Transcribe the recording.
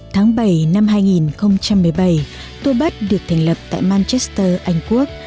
tháng bảy năm hai nghìn một mươi bảy tourbud được thành lập tại manchester anh quốc